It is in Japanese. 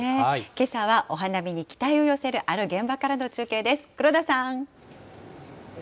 けさはお花見に期待を寄せるある現場からの中継です。